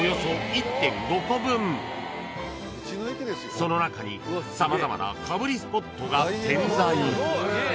［その中に様々なかぶりスポットが点在］